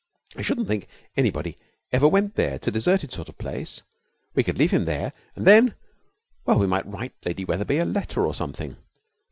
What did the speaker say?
I shouldn't think anybody ever went there it's a deserted sort of place. We could leave him there, and then well, we might write Lady Wetherby a letter or something.